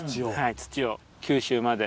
土を九州まで。